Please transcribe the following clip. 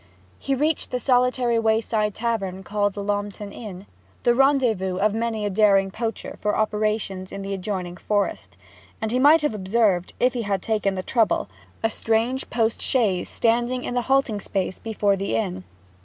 He reached the solitary wayside tavern called Lornton Inn the rendezvous of many a daring poacher for operations in the adjoining forest; and he might have observed, if he had taken the trouble, a strange post chaise standing in the halting space before the inn.